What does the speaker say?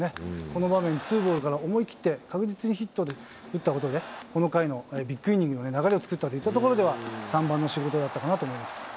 この場面、ツーボールから思い切って確実にヒットを打ったことで、この回のビッグイニングの流れを作ったというところでは、３番の仕事だったかなと思います。